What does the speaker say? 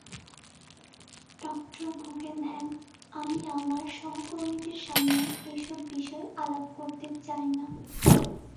ডঃ Guggenheim, আমি আমার সহকর্মীদের সামনে এসব বিষয়ে আলাপ করতে চাই না।